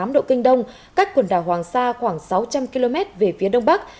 một trăm một mươi năm tám độ kinh đông cách quần đảo hoàng sa khoảng sáu trăm linh km về phía đông bắc